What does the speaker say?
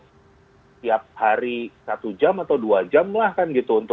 setiap hari satu jam atau dua jam lah kan gitu